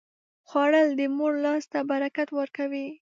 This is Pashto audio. خوړل د مور لاس ته برکت ورکوي